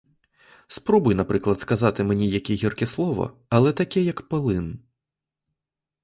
Спробуй, наприклад, сказати мені яке гірке слово, але таке, як полин.